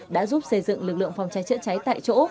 đã giúp xây dựng lực lượng phòng cháy chữa cháy tại chỗ